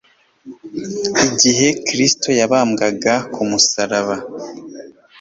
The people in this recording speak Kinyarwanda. Igihe Kristo yabambwaga ku musaraba,